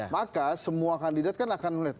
maka semua kandidat kan akan melihat